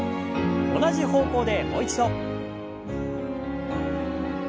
同じ方向でもう一度。